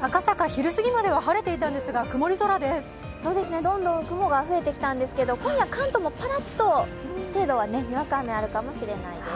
赤坂、昼すぎまでは晴れていたんですがどんどん雲が増えてきたんですけど今夜、関東もぱらっと程度はにわか雨、あるかもしれないです。